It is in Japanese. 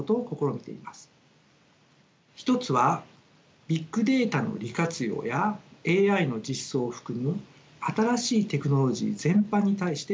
一つはビッグデータの利活用やＡＩの実装を含む新しいテクノロジー全般に対して適用することです。